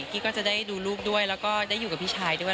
พี่ก็จะได้ดูลูกด้วยแล้วก็ได้อยู่กับพี่ชายด้วย